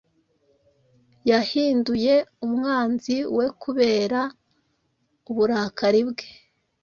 Yahinduye umwanzi wekubera uburakari bwe